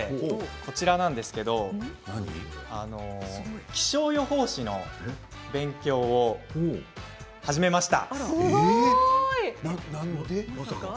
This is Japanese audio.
こちらなんですが気象予報士の勉強を始めました。